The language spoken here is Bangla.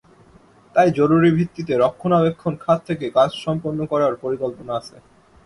তাই জরুরি ভিত্তিতে রক্ষণাবেক্ষণ খাত থেকে কাজ সম্পন্ন করার পরিকল্পনা আছে।